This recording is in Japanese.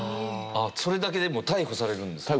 それだけで逮捕されるんですか。